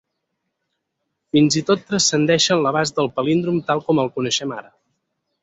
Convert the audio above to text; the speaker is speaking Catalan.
Fins i tot transcendeixen l'abast del palíndrom tal com el coneixem ara.